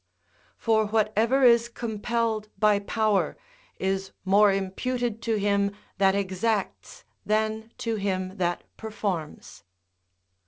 ["For whatever is compelled by power, is more imputed to him that exacts than to him that performs."